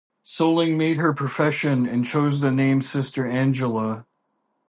Solling made her profession and chose the name Sister Angela.